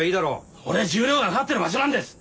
俺十両がかかってる場所なんです！